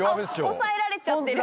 抑えられちゃってる。